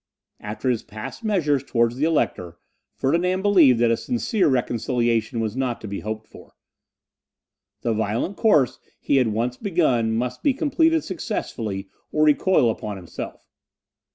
After his past measures towards the Elector, Ferdinand believed that a sincere reconciliation was not to be hoped for. The violent course he had once begun, must be completed successfully, or recoil upon himself.